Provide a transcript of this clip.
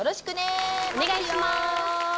お願いします！